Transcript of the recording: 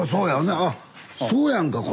あっそうやんかこれ！